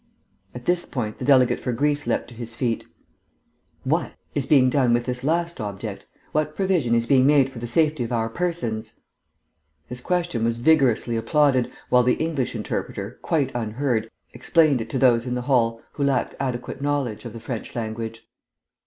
At this point the delegate for Greece leapt to his feet. "What," he demanded, "is being done with this last object? What provision is being made for the safety of our persons?" His question was vigorously applauded, while the English interpreter, quite unheard, explained it to those in the hall who lacked adequate knowledge of the French language.